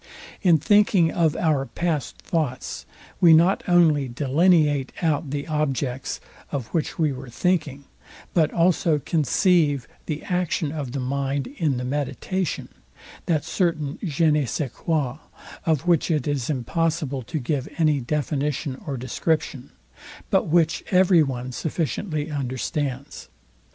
In thinking of our past thoughts we not only delineate out the objects, of which we were thinking, but also conceive the action of the mind in the meditation, that certain JE NE SÇAI QUOI, of which it is impossible to give any definition or description, but which every one sufficiently understands.